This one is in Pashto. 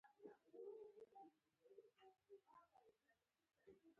علي شیر ولسوالۍ پوله لري؟